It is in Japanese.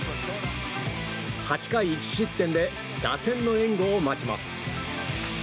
８回１失点で打線の援護を待ちます。